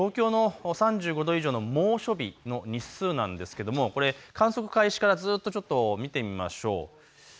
東京の３５度以上の猛暑日の日数なんですけどもこれ観測開始からずっと見てみましょう。